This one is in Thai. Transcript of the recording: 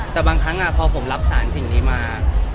แต่บางครั้งพอผมรับสารสิ่งนี้มา